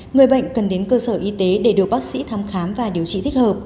người bệnh cần đến cơ sở y tế để được bác sĩ thăm khám và điều trị thích hợp